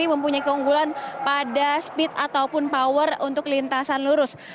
mempunyai keunggulan pada speed ataupun power untuk lintasan lurus